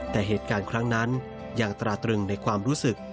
แต่เหตุการณ์ครั้งนั้นยังตราตรึงในความรู้สึก